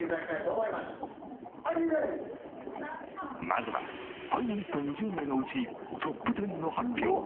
まずはファイナリスト２０名のうちトップ１０の発表。